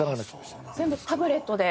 全部タブレットで？